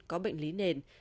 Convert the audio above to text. có bệnh lý nền